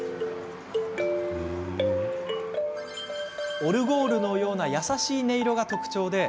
オルゴールのような優しい音色が特徴です。